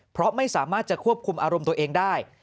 เพราะไม่สามารถจะควบคุมอารมณ์ตัวเองได้